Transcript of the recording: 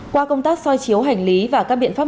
qua công tác soi chiếu hành lý và các biện pháp